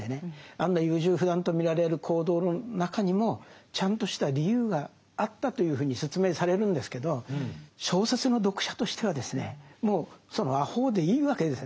あんな優柔不断と見られる行動の中にもちゃんとした理由があったというふうに説明されるんですけど小説の読者としてはですねもうそのあほうでいいわけですよね。